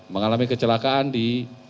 mengalami kecelakaan di